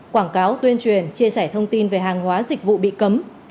quảng cáo tuyên truyền chia sẻ thông tin về hàng hóa dịch vụ bị cấm